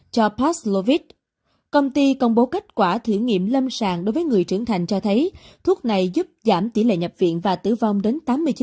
cho pastlovich công ty công bố kết quả thử nghiệm lâm sàng đối với người trưởng thành cho thấy thuốc này giúp giảm tỷ lệ nhập viện và tử vong đến tám mươi chín